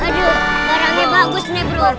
aduh warangnya bagus nih bro